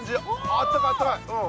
あったかいあったかい！